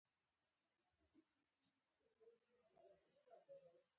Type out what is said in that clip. او لوی تړک یې په زړه وخوړ.